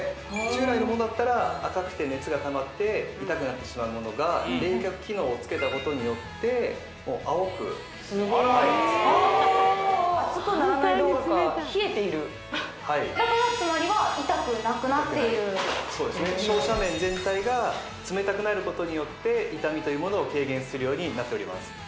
従来のものだったら赤くて熱がたまって痛くなってしまうものが冷却機能をつけたことによって青くすごーい熱くならないどころか冷えているだからつまりは痛くなくなっている照射面全体が冷たくなることによって痛みというものを軽減するようになっております